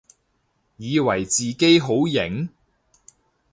以為自己好型？